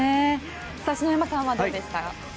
篠山さんはどうでしたか？